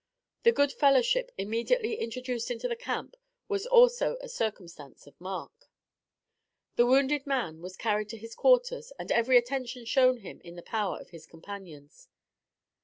The good fellowship immediately introduced into the camp was also a circumstance of mark. The wounded man was carried to his quarters and every attention shown him in the power of his companions.